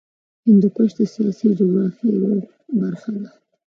هندوکش د سیاسي جغرافیه یوه برخه ده.